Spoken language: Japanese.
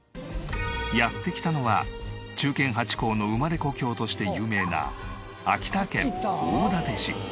やって来たのは忠犬ハチ公の生まれ故郷として有名な秋田県大館市。